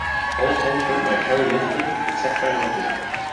All songs written by Kerry Livgren, except where noted.